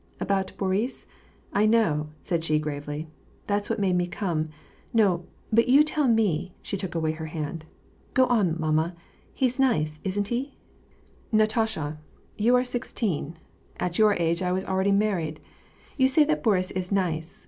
" About Boris ? I know," said she gravely. " That's what made me come. No, but you t.ell me;" she took away her band. " Go on, mamma; he's nice, isn't he ?" WAR AND PEACE. 195 ''Natasha^ you are sixteen ; at your age I was already mar ried. You say that Boris is nice.